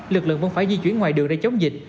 lực lượng vẫn phải di chuyển ngoài đường để chống dịch